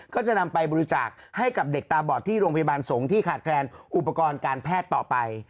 ก็จะนำไปบริจาคให้กับเด็กตาบอดที่โรงพยาบาลสงฆ์ที่ขาดแคลนอุปกรณ์การแพทย์ต่อไป